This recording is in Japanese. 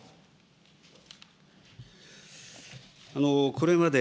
これまで、